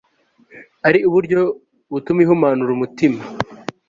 ari uburyo butuma ihumanura umutima